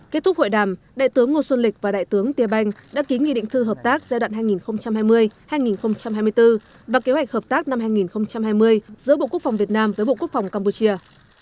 kết thúc hội đàm đại tướng ngô xuân lịch và đại tướng tia banh đã ký nghị định thư hợp tác giai đoạn hai nghìn hai mươi hai nghìn hai mươi bốn và kế hoạch hợp tác năm hai nghìn hai mươi giữa bộ quốc phòng việt nam với bộ quốc phòng campuchia